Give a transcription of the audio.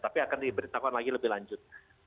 tapi akan diberitahukan lagi lebih lanjut